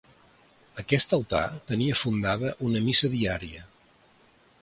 Aquest altar tenia fundada una missa diària.